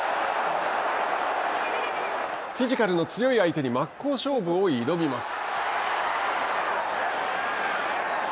フィジカルの強い相手に真っ向勝負を挑みます。